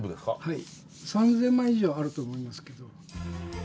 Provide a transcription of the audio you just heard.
はい３，０００枚以上あると思いますけど。